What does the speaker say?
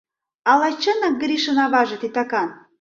Ала чынак Гришын аваже титакан?